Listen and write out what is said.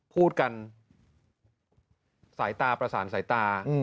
พูดกันสายตาประสานสายตา